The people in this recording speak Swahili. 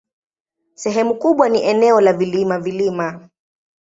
Sehemu kubwa ni eneo la vilima-vilima.